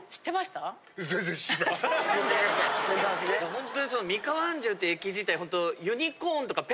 ホントに。